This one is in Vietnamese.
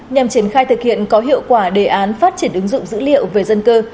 nhằm triển khai thực hiện có hiệu quả đề án phát triển ứng dụng dữ liệu về dân cư